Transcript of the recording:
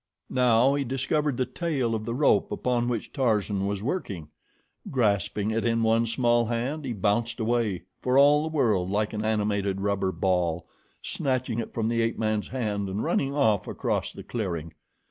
Now he discovered the tail of the rope upon which Tarzan was working. Grasping it in one small hand he bounced away, for all the world like an animated rubber ball, snatching it from the ape man's hand and running off across the clearing.